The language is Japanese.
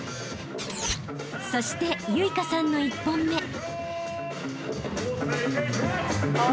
［そして結翔さんの１本目］